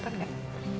udah tenang aja